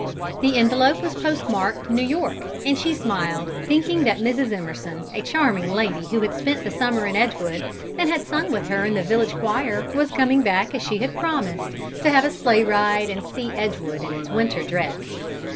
The envelope was postmarked New York, and she smiled, thinking that Mrs. Emerson, a charming lady who had spent the summer in Edgewood, and had sung with her in the village choir, was coming back, as she had promised, to have a sleigh ride and see Edgewood in its winter dress.